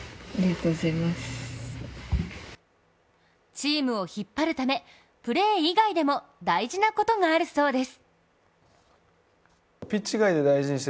チームを引っ張るため、プレー以外でも大事なことがあるそうです。